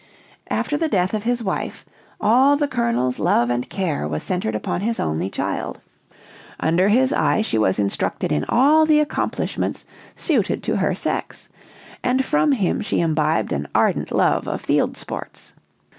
"After the death of his wife, all the colonel's love and care was centered upon his only child; under his eye she was instructed in all the accomplishments suited to her sex; and from him she imbibed an ardent love of field sports.